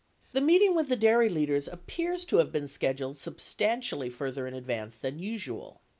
The meeting with the dairy leaders appears to have been scheduled substantially further in advance than usual.